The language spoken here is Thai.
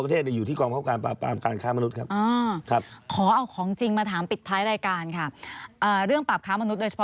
ถามว่าการจับกลุ่มข้ามนุษย์